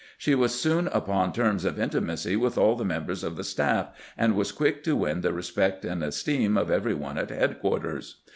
She was soon upon terms of intimacy with all the members of the staff, and was quick to win the respect and esteem of every one at head quarters.